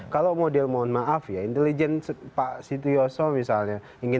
kalau model mohon maaf ya intelijen pak sityoso misalnya